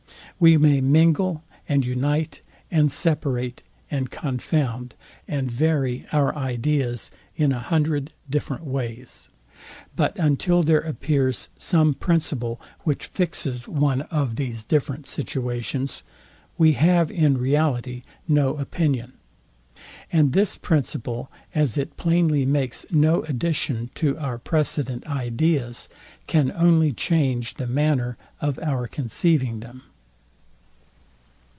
We may mingle, and unite, and separate, and confound, and vary our ideas in a hundred different ways; but until there appears some principle, which fixes one of these different situations, we have in reality no opinion: And this principle, as it plainly makes no addition to our precedent ideas, can only change the manner of our conceiving them.